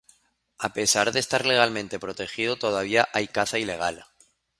A pesar de estar legalmente protegido todavía hay caza ilegal.